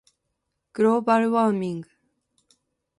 global warming